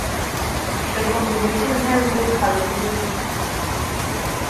The composition ends with Hallelujah.